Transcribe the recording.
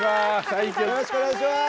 よろしくお願いします。